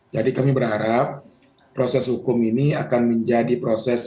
jadi kami berharap proses hukum ini akan menjadi proses